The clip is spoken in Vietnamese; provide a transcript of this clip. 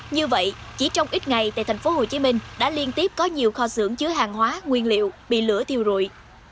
như vậy chỉ trong ít ngày tại thành phố hồ chí minh đã liên tiếp có nhiều kho xưởng chứa hàng hóa nguyên liệu bị lửa thiêu rụi